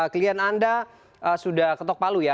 klien anda sudah ketok palu ya